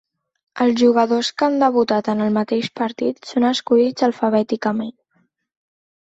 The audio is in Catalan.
Els jugadors que han debutat en el mateix partit són escollits alfabèticament.